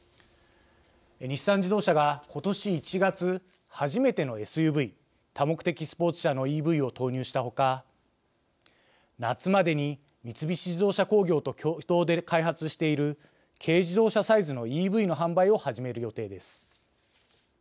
日産自動車が、ことし１月初めてのＳＵＶ＝多目的スポーツ車のＥＶを投入したほか夏までに三菱自動車工業と共同で開発している軽自動車サイズのＥＶの販売を始める予定です。